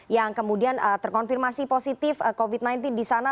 yang kemudian terkonfirmasi positif covid sembilan belas di sana